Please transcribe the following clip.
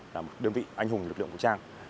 là một đơn vị anh hùng lực lượng vũ trang